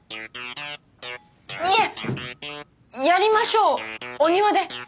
いえやりましょうお庭で。